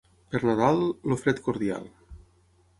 Per Nadal, el fred cordial.